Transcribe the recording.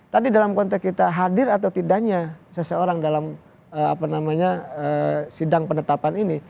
tadi dalam konteks kita hadir atau tidaknya seseorang dalam sidang penetapan ini